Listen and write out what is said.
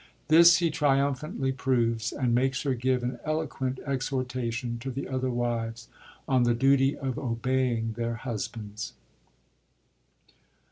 This he triumphantly proves, and makes her give an eloquent exhortation to the others' wives on the duty of obeying their husbands.